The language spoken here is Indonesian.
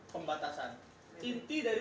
pembatasan inti dari